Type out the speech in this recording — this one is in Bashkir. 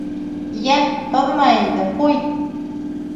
- Йә, ҡыҙма инде, ҡуй.